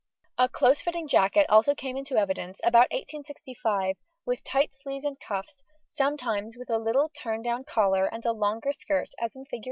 A close fitting jacket also came into evidence till about 1865 with tight sleeves and cuffs, sometimes with a little turn down collar and a longer skirt as in Fig.